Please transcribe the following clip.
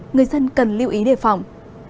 người dân cần lưu ý đề phòng